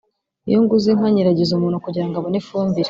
“Iyo nguze inka nyiragiza umuntu kugira ngo abone ifumbire